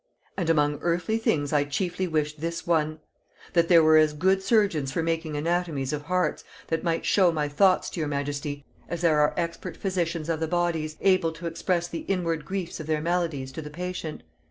"And among earthly things I chiefly wish this one; that there were as good surgeons for making anatomies of hearts, that might show my thoughts to your majesty, as there are expert physicians of the bodies, able to express the inward griefs of their maladies to the patient.